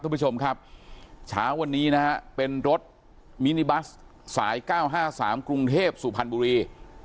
คุณผู้ชมครับเช้าวันนี้นะฮะเป็นรถมินิบัสสาย๙๕๓กรุงเทพสุพรรณบุรี